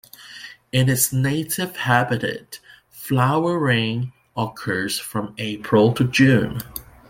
In its native habitat, flowering occurs from April to June.